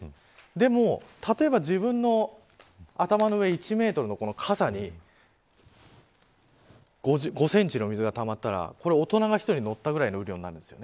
でも例えば自分の頭の上１メートルの傘に５センチの水がたまったら大人が１人乗ったぐらいの雨量になるんです。